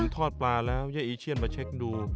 ทอดปลาแล้วเย้อีเชียนมาเช็คดู